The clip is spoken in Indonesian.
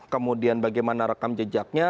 kemudian bagaimana rekam jejaknya